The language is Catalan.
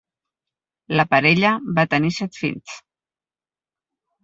La parella va tenir set fills.